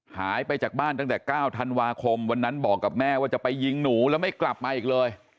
หายไปจากบ้านตั้งแต่๙ธันวาคมวันนั้นบอกกับแม่ว่าจะไปยิงหนูแล้วไม่กลับมาอีกเลย